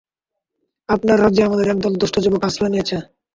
আপনার রাজ্যে আমাদের একদল দুষ্ট যুবক আশ্রয় নিয়েছে।